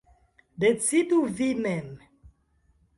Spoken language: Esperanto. Decidu vi mem.